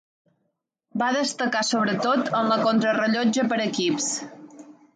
Va destacar sobretot en la Contrarellotge per equips.